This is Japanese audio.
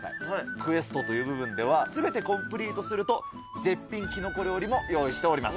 クエストという部分では、すべてコンプリートすると、絶品キノコ料理も用意しております。